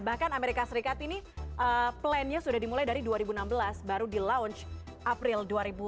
bahkan amerika serikat ini plannya sudah dimulai dari dua ribu enam belas baru di launch april dua ribu delapan belas